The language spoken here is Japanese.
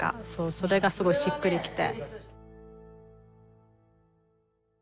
それがすごいしっくりきて。